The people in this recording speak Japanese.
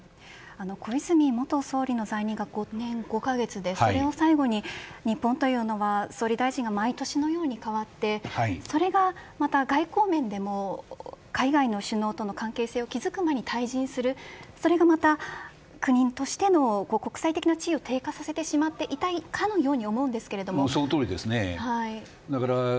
小泉元総理の在任が５年５カ月でそれを最後に日本というのは総理大臣が毎年のように変わってそれがまた外交面でも海外の首脳との関係性を築く前に退陣するといったことが国としての国際的な地位を低下させていたようにそのとおりです。